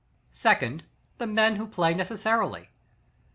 Secondly: The men who play necessarily.